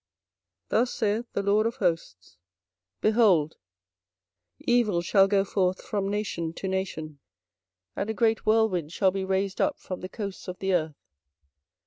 24:025:032 Thus saith the LORD of hosts, Behold, evil shall go forth from nation to nation, and a great whirlwind shall be raised up from the coasts of the earth.